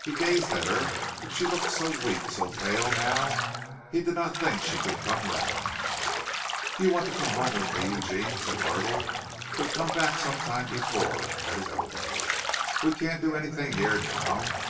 He gazed at her, but she looked so weak, so pale now he did not think she could come round. "Don't you want to come home with me, Eugene?" said Myrtle, who had come back some time before, at his elbow. "We can't do anything here now!